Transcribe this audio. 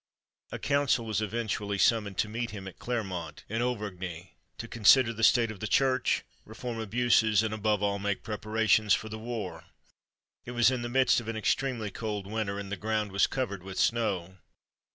A council was eventually summoned to meet him at Clermont, in Auvergne, to consider the state of the Church, reform abuses, and, above all, make preparations for the war. It was in the midst of an extremely cold winter, and the ground was covered with snow.